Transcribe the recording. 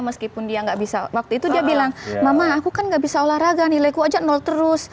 meskipun dia nggak bisa waktu itu dia bilang mama aku kan gak bisa olahraga nilaiku aja nol terus